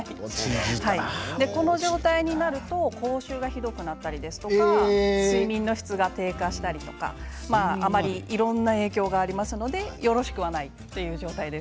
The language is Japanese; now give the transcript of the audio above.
この状態になると口臭がひどくなったり睡眠の質が低下したりとかあまりいろいろな影響が出ますのでよろしくはないっていう状態です。